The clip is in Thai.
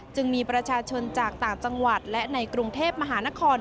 จึงมีประชาชนจากต่างจังหวัดและในกรุงเทพมหานคร